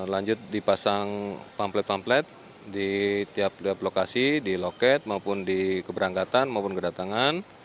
lanjut dipasang pamplet pamplet di tiap lokasi di loket maupun di keberangkatan maupun kedatangan